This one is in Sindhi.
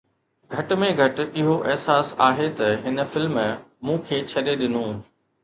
گهٽ ۾ گهٽ اهو احساس آهي ته هن فلم مون کي ڇڏي ڏنو